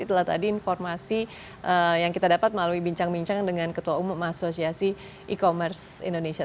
itulah tadi informasi yang kita dapat melalui bincang bincang dengan ketua umum asosiasi e commerce indonesia